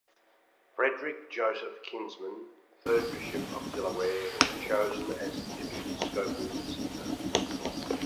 Frederick Joseph Kinsman, third Bishop of Delaware, was chosen as Episcopal Visitor.